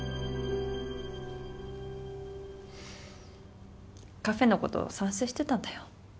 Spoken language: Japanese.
カフェのこと賛成してたんだよ。